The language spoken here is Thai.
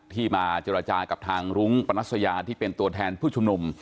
ที่มาเจรจากับทางรุ้งปนัสยาที่เป็นตัวแทนผู้ชุมนุม